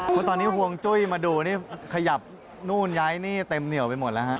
เพราะตอนนี้ห่วงจุ้ยมาดูนี่ขยับนู่นย้ายนี่เต็มเหนียวไปหมดแล้วฮะ